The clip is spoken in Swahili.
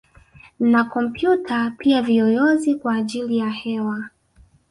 Na kompyuta pia viyoyozi kwa ajili ya hewa